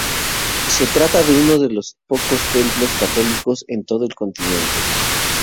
Se trata de uno de los pocos templos católicos en todo el continente.